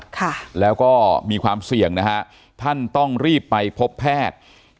ค่ะแล้วก็มีความเสี่ยงนะฮะท่านต้องรีบไปพบแพทย์